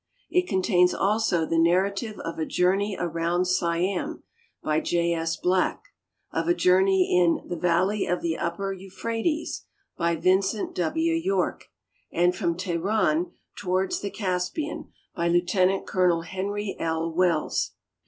It contains also the narrative of a Journey around Siam, by J. S. Black, of a Journey in the Valley of tiie Tpiier Euphrates, hj' Vincent W. Yorke, and from Teheran towards the Caspian, by Lieut. Col. Henry L. Wells.